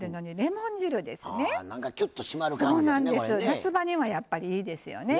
夏場にはやっぱりいいですよね。